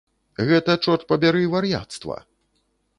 Гэта, чорт пабяры, вар'яцтва.